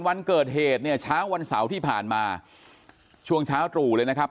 วันเกิดเหตุเนี่ยเช้าวันเสาร์ที่ผ่านมาช่วงเช้าตรู่เลยนะครับ